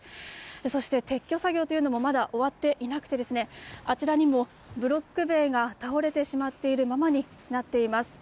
そして撤去作業というのもまだ終わっていなくて、あちらにもブロック塀が倒れてしまっているままになっています。